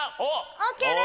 ＯＫです！